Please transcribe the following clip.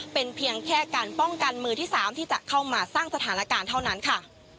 เป็นเพียงแค่การป้องกันมือที่๓ที่จะเข้ามาสร้างสถานการณ์เท่านั้นค่ะ